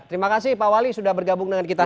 terima kasih pak wali sudah bergabung dengan kita